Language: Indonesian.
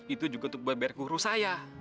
itu juga untuk membayar guru saya